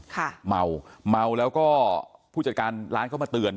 เมาเมาแล้วก็ผู้จัดการร้านเข้ามาเตือน